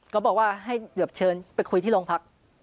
เขาบอกว่าให้เฉินไปคุยที่โรงพักษณ์